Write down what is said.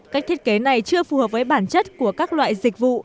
cách thiết kế này chưa phù hợp với bản chất của các loại dịch vụ